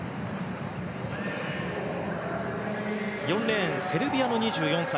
４レーン、セルビアの２４歳。